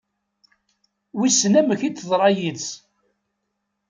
Wissen amek i teḍra yid-s?